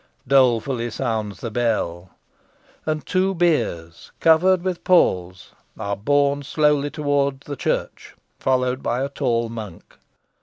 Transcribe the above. Dolefully sounds the bell. And two biers, covered with palls, are borne slowly towards the church, followed by a tall monk.